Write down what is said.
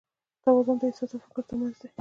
توازن د احساس او فکر تر منځ دی.